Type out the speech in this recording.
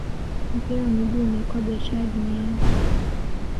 mpira wa miguu umekuwa biashara duaniani